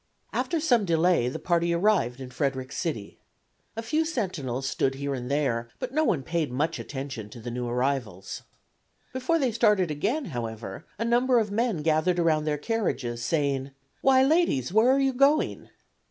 After some delay the party arrived in Frederick City. A few sentinels stood here and there, but no one paid much attention to the new arrivals. Before they started again, however, a number of men gathered around their carriages, saying: "Why, ladies, where are you going?"